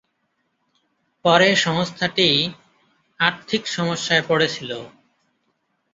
পড়ে সংস্থাটি আর্থিক সমস্যায় পড়েছিলেন।